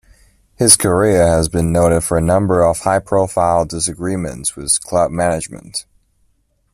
His career has been noted for a number of high-profile disagreements with club management.